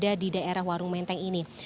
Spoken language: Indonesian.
ada di daerah warung menteng ini